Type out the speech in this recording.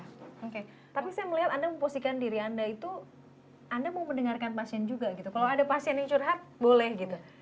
oke tapi saya melihat anda memposisikan diri anda itu anda mau mendengarkan pasien juga gitu kalau ada pasien yang curhat boleh gitu